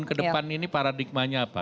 jadi ke depan ini paradigmanya apa